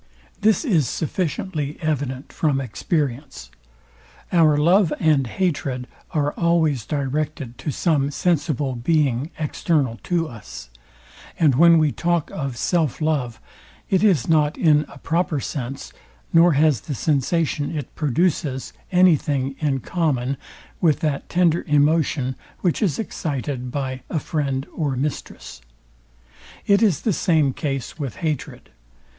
This is sufficiently evident from experience. Our love and hatred are always directed to some sensible being external to us; and when we talk of self love, it is not in a proper sense, nor has the sensation it produces any thing in common with that tender emotion which is excited by a friend or mistress. It is the same case with hatred.